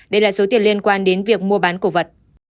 đây là số tiền liên quan đến việc mua bán cổ vật